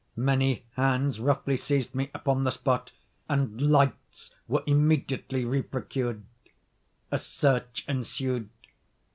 Many hands roughly seized me upon the spot, and lights were immediately reprocured. A search ensued.